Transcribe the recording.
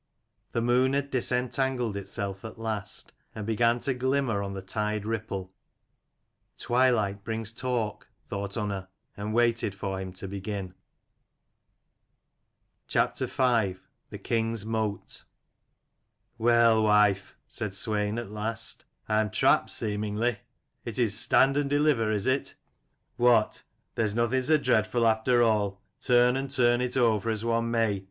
The moon had disentangled itself at last, and began to glimmer on the tide ripple. " Twilight brings talk," thought Unna, and waited for him to begin. JELL, wife," said Sweinatlast, " I am trapped, seemingly. It is stand and deliver, is it ? What, there is nothing so dreadful after all, turn and [turn it over as one may.